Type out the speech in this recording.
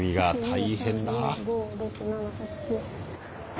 大変だ。